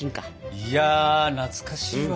いや懐かしいわ。